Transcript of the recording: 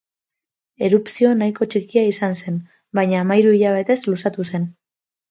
Erupzio nahiko txikia izan zen, baina hamahiru hilabetez luzatu zen.